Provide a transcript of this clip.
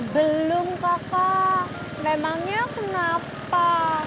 belum kakak memangnya kenapa